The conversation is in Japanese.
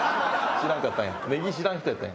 知らんかったんや。